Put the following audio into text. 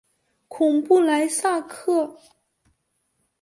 孔布莱萨克。